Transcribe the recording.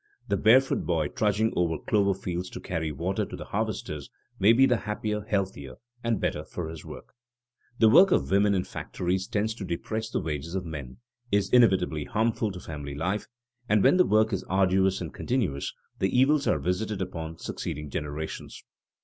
The barefoot boy trudging over clover fields to carry water to the harvesters may be the happier, healthier, and better for his work. [Sidenote: Women's work and shorter hours] The work of women in factories tends to depress the wages of men, is inevitably harmful to family life, and, when the work is arduous and continuous, the evils are visited upon succeeding generations.